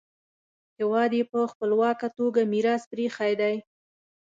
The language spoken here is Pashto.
هېواد یې په خپلواکه توګه میراث پریښی دی.